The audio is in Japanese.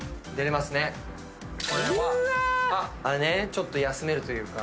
ちょっと休めるというか。